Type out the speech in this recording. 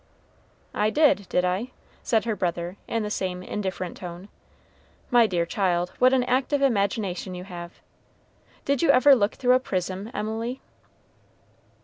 "I did, did I?" said her brother, in the same indifferent tone. "My dear child, what an active imagination you have. Did you ever look through a prism, Emily?"